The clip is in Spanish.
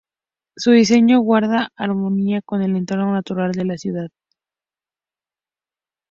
Su diseño guarda armonía con el entorno natural de la ciudad.